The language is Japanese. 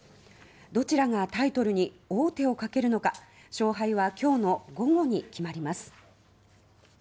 どちらがタイトルに王手をかけるのか勝敗は今日の午後に決まります。